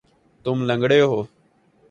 تم لنگڑے ہو